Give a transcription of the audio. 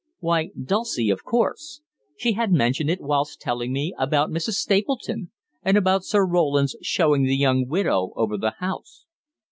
Why, Dulcie, of course. She had mentioned it whilst telling me about Mrs. Stapleton, and about Sir Roland's showing the young widow over the house.